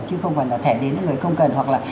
chứ không phải là thẻ đến những người không cần hoặc là